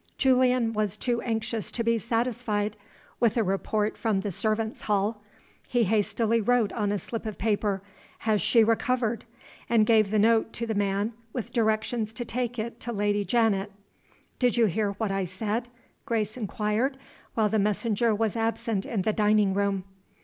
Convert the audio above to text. Julian was too anxious to be satisfied with a report from the servants' hall. He hastily wrote on a slip of paper: "Has she recovered?" and gave the note to the man, with directions to take it to Lady Janet. "Did you hear what I said?" Grace inquired, while the messenger was absent in the dining room.